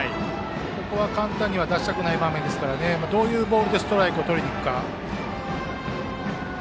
ここは簡単には出したくない場面ですからどういうボールでストライクをとりにいくか。